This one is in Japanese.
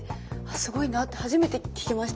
すごいなって初めて聴きました。